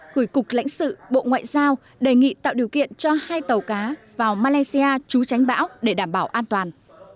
gửi cục lãnh sự bộ ngoại giao đề nghị tạo điều kiện cho hai tàu cá vào malaysia trú tránh bão để đảm bảo an toàn